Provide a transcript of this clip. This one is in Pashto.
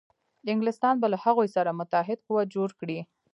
انګلیسیان به له هغوی سره متحد قوت جوړ کړي.